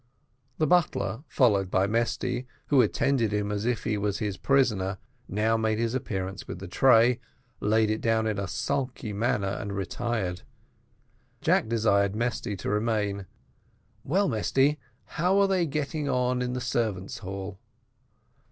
The butler, followed by Mesty, who attended him as if he was his prisoner, now made his appearance with the tray laid it down in a sulky manner and retired. Jack desired Mesty to remain. "Well, Mesty, how are they getting on in the servants' hall?"